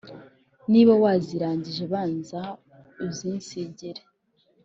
Nimba wazirangije banza uzinsigire